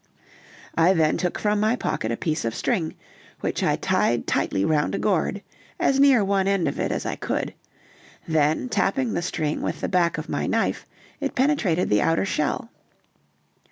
I then took from my pocket a piece of string, which I tied tightly round a gourd, as near one end of it as I could; then tapping the string with the back of my knife, it penetrated the outer shell.